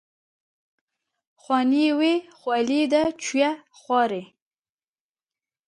Xaniyê wî xweliyê de çûye xwarê.